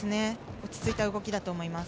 落ち着いた動きだと思います。